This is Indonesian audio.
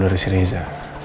dari si riza